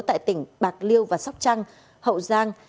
tại tỉnh bạc liêu và sóc trăng hậu giang